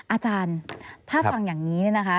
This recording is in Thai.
อาจารย์ถ้าฟังอย่างนี้เนี่ยนะคะ